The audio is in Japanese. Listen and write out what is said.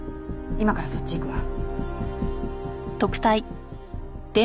今からそっち行くわ。